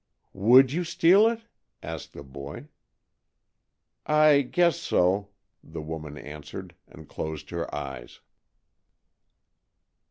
"Would you steal it?" asked the boy. "I guess so," the woman answered, and closed her eyes, III.